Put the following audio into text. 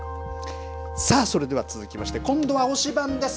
さあ、それでは続きまして今度は推しバン！です。